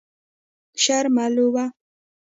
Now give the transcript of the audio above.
شر ملوه.